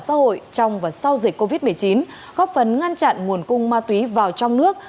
xã hội trong và sau dịch covid một mươi chín góp phần ngăn chặn nguồn cung ma túy vào trong nước